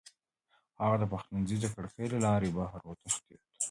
هغه د پخلنځي د کړکۍ له لارې بهر وتښتېد.